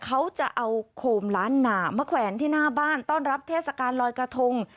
เขาจะเอาโคมล้านหนามาแขวนที่หน้าบ้านต้อนรับเทศกาลลอยกระทง